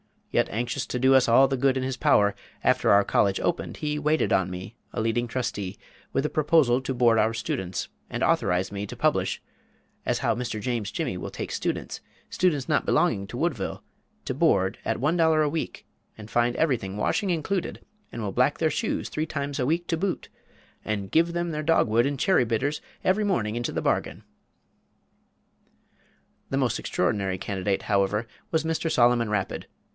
Yet anxious to do us all the good in his power, after our college opened, he waited on me, a leading trustee, with a proposal to board our students, and authorized me to publish "as how Mr. James Jimmy will take strange students students not belonging to Woodville to board, at one dollar a week, and find everything, washing included, and will black their shoes three times a week to boot, and give them their dog wood and cherry bitters every morning into the bargain!" The most extraordinary candidate, however, was Mr. Solomon Rapid.